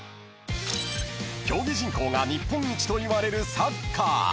［競技人口が日本一といわれるサッカー］